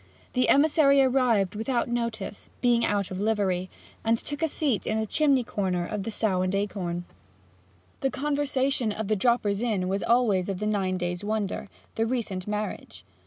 The emissary arrived without notice, being out of livery, and took a seat in the chimney corner of the Sow and Acorn. The conversation of the droppers in was always of the nine days' wonder the recent marriage.